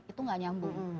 itu nggak nyambung